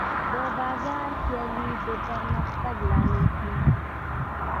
د بازار سیالي د پرمختګ لامل کېږي.